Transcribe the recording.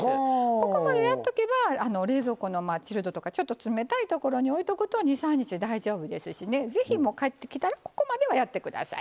ここまでやっとけば冷蔵庫のチルドとかちょっと冷たいところに置いておくと２３日大丈夫ですしね是非買ってきたらここまではやって下さい。